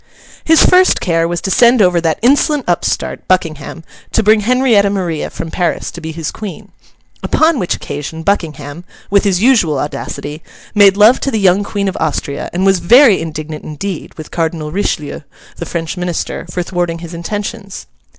His first care was to send over that insolent upstart, Buckingham, to bring Henrietta Maria from Paris to be his Queen; upon which occasion Buckingham—with his usual audacity—made love to the young Queen of Austria, and was very indignant indeed with Cardinal Richelieu, the French Minister, for thwarting his intentions.